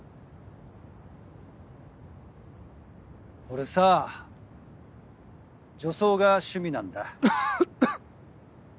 俺さぁ女装が趣味なんだ。